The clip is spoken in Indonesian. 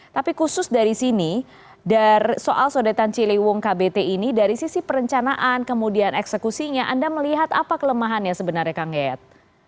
tapi khusus dari sini soal sodetan ciliwung kbt ini dari sisi perencanaan kemudian eksekusinya anda melihat apa kelemahannya sebenarnya kang yayat